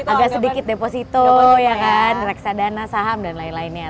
agak sedikit deposito reksadana saham dan lain lainnya